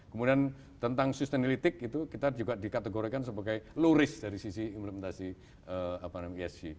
kemudian tentang sustainability itu kita juga dikategorikan sebagai low risk dari sisi imelminasi isg